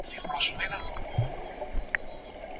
تر قیامته به روان وي میرو مل درته لیکمه